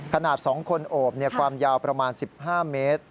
ขนาด๒คนโอบความยาวประมาณ๑๕เมตร